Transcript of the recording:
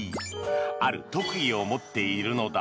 ある特技を持っているのだ。